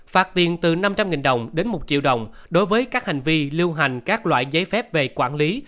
phạt tiền từ năm trăm linh đồng đến một triệu đồng đối với các hành vi lưu hành các loại giấy phép về quản lý